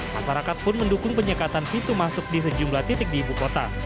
masyarakat pun mendukung penyekatan pintu masuk di sejumlah titik di ibu kota